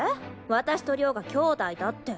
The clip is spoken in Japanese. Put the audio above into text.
私と亮が姉弟だって。